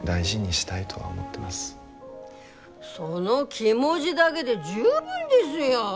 その気持ぢだげで十分ですよ。